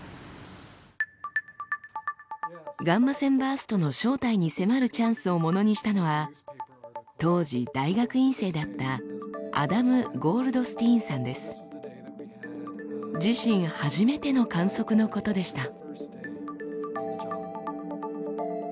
ガンマ線バーストの正体に迫るチャンスをものにしたのは当時大学院生だった自身初めての観測のことでした。